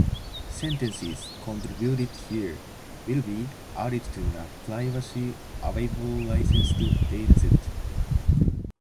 Sentences contributed here will be added to a publicly available licensed dataset.